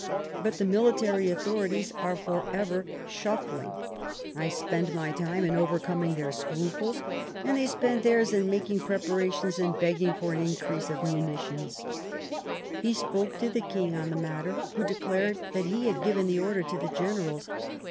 But the military authorities are for ever shuffling. K 145 Sla^ Bismarck I spend my time in overcoming their scruples, and they spend theirs in making preparations and beg ging for an increase of munitions." He spoke to the King on the matter, who declared that he had given the order to the generals.